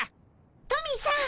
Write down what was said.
トミーさん